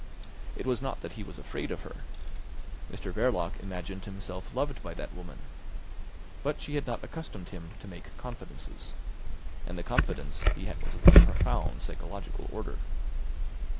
It was not that he was afraid of her. Mr Verloc imagined himself loved by that woman. But she had not accustomed him to make confidences. And the confidence he had to make was of a profound psychological order.